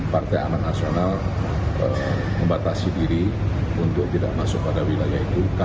partai amanat nasional membatasi diri untuk tidak masuk pada wilayah itu